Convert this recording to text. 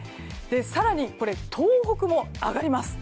更に、東北も上がります。